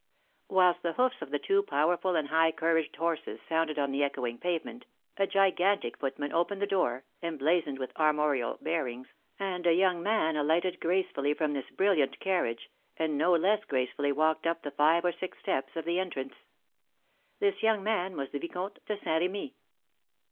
Whilst the hoofs of two powerful and high couraged horses sounded on the echoing pavement, a gigantic footman opened the door, emblazoned with armorial bearings, and a young man alighted gracefully from this brilliant carriage, and no less gracefully walked up the five or six steps of the entrance. This young man was the Vicomte de Saint Remy.